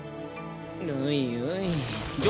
おいおい。